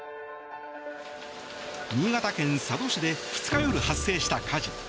新潟県佐渡市で２日夜発生した火事。